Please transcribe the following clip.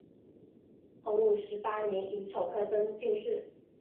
洪武十八年乙丑科登进士。